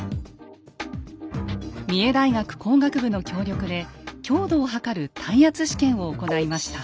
三重大学工学部の協力で強度を測る耐圧試験を行いました。